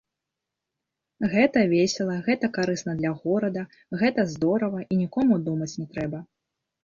Гэта весела, гэта карысна для горада, гэта здорава, і нікому думаць не трэба.